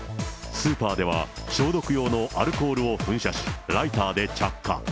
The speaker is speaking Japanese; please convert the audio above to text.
スーパーでは消毒用のアルコールを噴射し、ライターで着火。